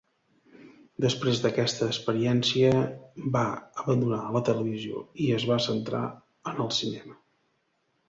Després d'aquesta experiència va abandonar la televisió i es va centrar en el cinema.